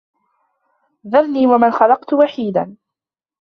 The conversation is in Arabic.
ذَرني وَمَن خَلَقتُ وَحيدًا